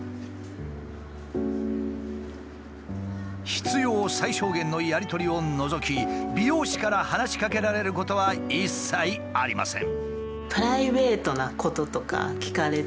必要最小限のやり取りを除き美容師から話しかけられることは一切ありません。